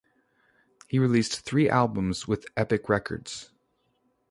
He released three albums with Epic Records.